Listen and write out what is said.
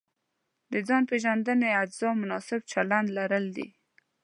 د ځان پېژندنې اجزا مناسب چلند لرل دي.